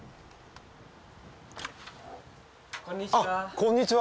こんにちは。